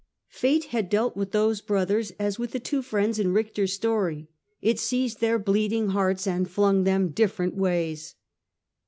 Fate had dealt with those brothers as with the two friends in Richter's story : it ' seized their bleeding hearts, and flung them different ways.